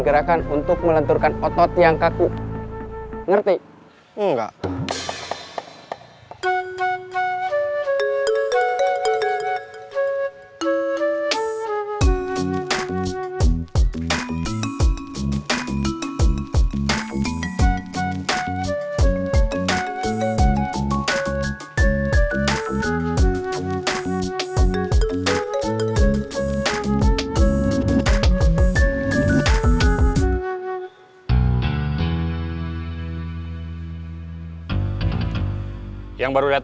gerakan untuk melenturkan otot yang kaku ngerti enggak